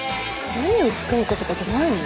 何を使うかとかじゃないの？